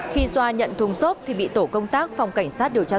khi xoa nhận thùng xốp thì bị tổ công tác phòng cảnh sát điều tra